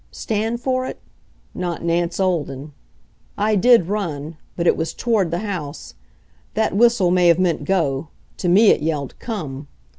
Stand for it? Not Nance Olden. I did run but it was toward the house. That whistle may have meant "Go!" To me it yelled "Come!"